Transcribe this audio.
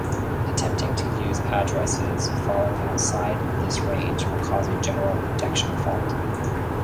Attempting to use addresses falling outside this range will cause a general protection fault.